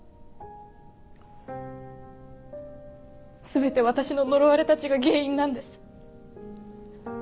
全て私の呪われた血が原因なんです。